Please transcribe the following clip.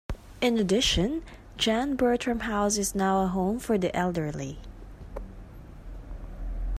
In addition, John Bertram House is now a home for the elderly.